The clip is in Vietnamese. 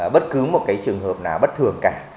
bất cứ một cái trường hợp nào bất thường cả